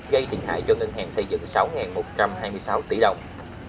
gây thiệt hại cho ngân hàng xây dựng sáu một trăm hai mươi sáu tỷ đồng